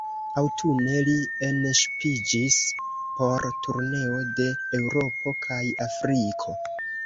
Aŭtune, li enŝipiĝis por turneo de Eŭropo kaj Afriko.